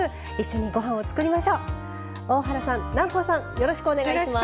よろしくお願いします。